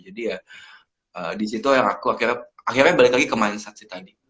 jadi ya disitu yang aku akhirnya akhirnya balik lagi ke mindset sih tadi